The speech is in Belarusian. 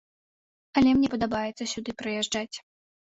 Але мне падабаецца сюды прыязджаць.